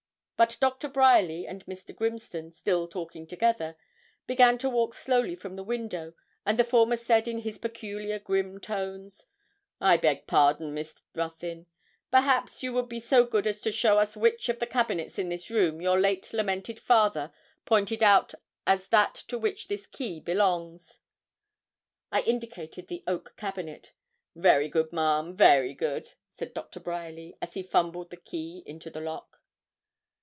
But Dr. Bryerly and Mr. Grimston, still talking together, began to walk slowly from the window, and the former said in his peculiar grim tones 'I beg pardon, Miss Ruthyn; perhaps you would be so good as to show us which of the cabinets in this room your late lamented father pointed out as that to which this key belongs.' I indicated the oak cabinet. 'Very good, ma'am very good,' said Doctor Bryerly, as he fumbled the key into the lock.